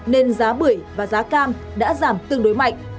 nên giá bưởi và giá cam đã giảm tương đối mạnh